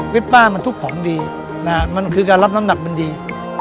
ป้ามันทุกของดีนะฮะมันคือการรับน้ำหนักมันดี